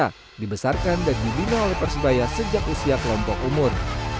yang dibesarkan dan dibina oleh persebaya sejak usia kelompok umur